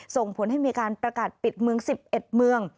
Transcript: ส่งผลให้มีการประกาศปิดเมือง๑๑เมือง